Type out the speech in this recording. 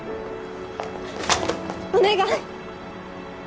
お願い！